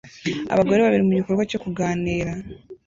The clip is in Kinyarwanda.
abagore babiri mu gikorwa cyo kuganira